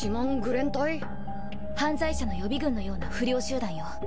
犯罪者の予備軍のような不良集団よ。